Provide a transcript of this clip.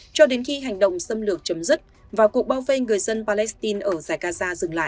cho đến khi hành động xâm lược chấm dứt và cuộc bao vây người dân palestine ở giải gaza dừng lại